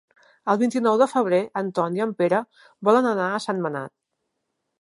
El vint-i-nou de febrer en Ton i en Pere volen anar a Sentmenat.